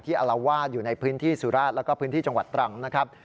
อารวาสอยู่ในพื้นที่สุราชแล้วก็พื้นที่จังหวัดตรังนะครับ